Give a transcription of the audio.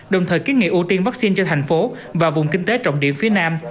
đồng thời kiến nghị ưu tiên vaccine cho thành phố và vùng kinh tế trọng điểm phía nam